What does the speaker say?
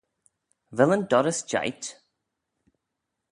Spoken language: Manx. Vel yn dorrys jeight?